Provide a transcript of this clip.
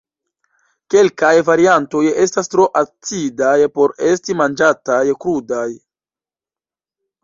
Kelkaj variantoj estas tro acidaj por esti manĝataj krudaj.